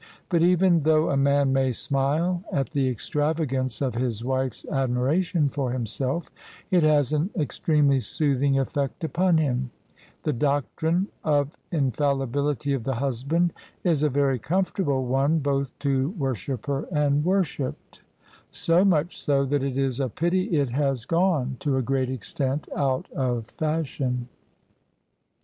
But even though a man may smile at the extrava gance of his wife's admiration for himself, it has an extremely soothing efiEect upon him: the doctrine of infalli bility of the husband is a very comfortable one both to wor shipper and worshipped — so much so that it is a pity it has gone, to a great extent, out of fashion.